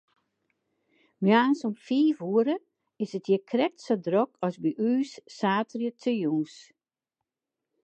Moarns om fiif oere is it hjir krekt sa drok as by ús saterdeitejûns.